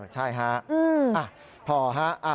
ใช่ค่ะพอค่ะ